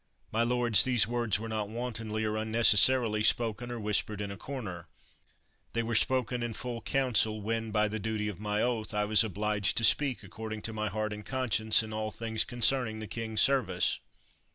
My lords, these words were not wantonly or unnecessarily spoken, or whispered in a corner; they were spoken in full council, when, by the duty of my oath, I was obliged to speak accord ing to my heart and conscience in all things con cerning the king 's service.